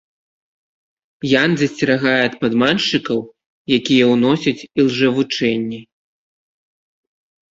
Ян засцерагае ад падманшчыкаў, якія ўносяць ілжэвучэнні.